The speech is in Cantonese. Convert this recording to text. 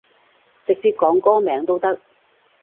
直接講歌名都得